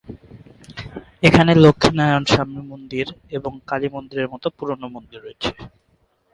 এখানে লক্ষ্মীনারায়ণ স্বামী মন্দির এবং মহাকালী মন্দিরের মতো পুরনো মন্দির রয়েছে।